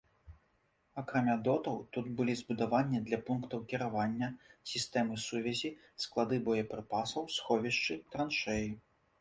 Акрамя дотаў, тут былі збудаванні для пунктаў кіравання, сістэмы сувязі, склады боепрыпасаў, сховішчы, траншэі.